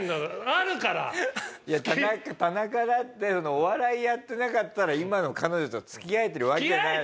いや田中だってお笑いやってなかったら今の彼女と付き合えてるわけない。